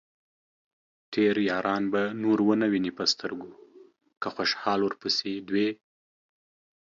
تېر ياران به نور ؤنه وينې په سترګو ، که خوشال ورپسې دوې